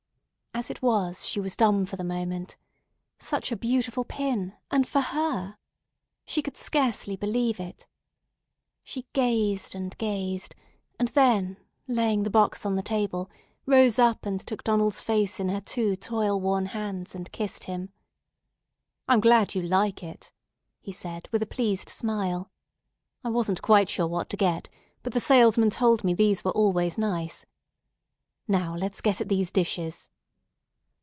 As it was, she was dumb for the moment. Such a beautiful pin, and for her! She could scarcely believe it. She gazed and gazed, and then, laying the box on the table, rose up and took Donald's face in her two toil worn hands, and kissed him. "I'm glad you like it," he said with a pleased smile. "I wasn't quite sure what to get, but the salesman told me these were always nice. Now let's get at these dishes."